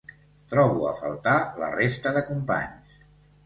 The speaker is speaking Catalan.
Trobo a faltar la resta de companys.